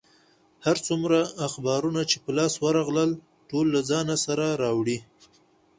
هر څومره اخبارونه چې په لاس ورغلل، ټول له ځان سره راوړي.